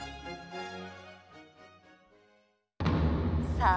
さあ